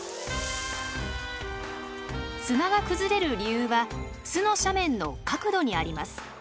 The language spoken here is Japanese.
砂が崩れる理由は巣の斜面の角度にあります。